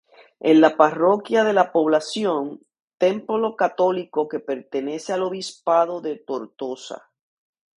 Es la parroquia de la población, templo católico que pertenece al obispado de Tortosa.